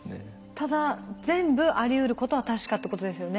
ただ全部ありうることは確かってことですよね。